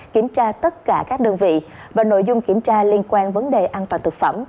kiểm tra tất cả các đơn vị và nội dung kiểm tra liên quan vấn đề an toàn thực phẩm